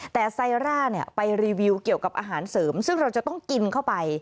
แต่ไซร่าไปรีวิวเกี่ยวกับอาหารเสริมซึ่งเราจะต้องกินเข้าไป